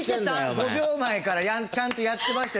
「５秒前」からちゃんとやってましたよ。